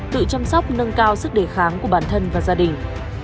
tự chăm sóc nâng cao sức đề kháng của bản thân và gia đình